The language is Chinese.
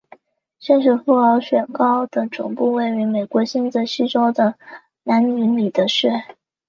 现时富豪雪糕的总部位于美国新泽西州的兰尼米德市。